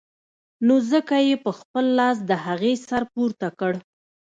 نو ځکه يې په خپل لاس د هغې سر پورته کړ.